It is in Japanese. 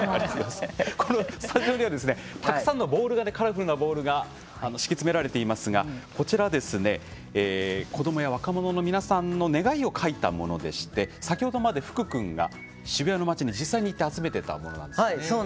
このスタジオにはたくさんのカラフルなボールが敷き詰められていますがこちら、子どもや若者の皆さんの願いを書いたものでして先ほどまで、福君が渋谷の街で実際に集めていたものなんですね。